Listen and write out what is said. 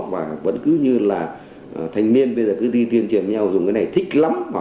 và vẫn cứ như là thanh niên bây giờ cứ đi tuyên truyền với nhau dùng cái này thích lắm